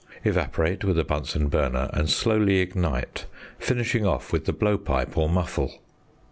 Evaporate with a Bunsen burner, and slowly ignite, finishing off with the blow pipe or muffle.